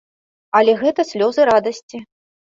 Але гэта слёзы радасці.